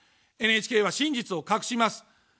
ＮＨＫは真実を隠します。